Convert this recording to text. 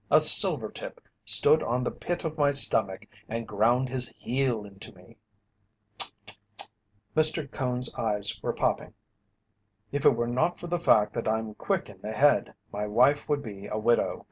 A silvertip stood on the pit of my stomach and ground his heel into me." "Tsch! tsch! tsch!" Mr. Cone's eyes were popping. "If it were not for the fact that I'm quick in the head my wife would be a widow.